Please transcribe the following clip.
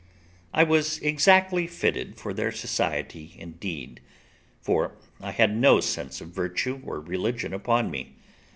I was exactly fitted for their society indeed; for I had no sense of virtue or religion upon me.